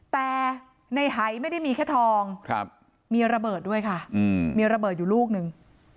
แต่ในหายไม่ได้มีแค่ทองมีระเบิดด้วยค่ะมีระเบิดอยู่ลูกหนึ่ง